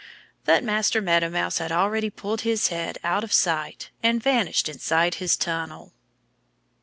'" But Master Meadow Mouse had already pulled his head out of sight and vanished inside his tunnel.